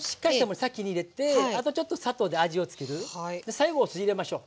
最後お酢入れましょう。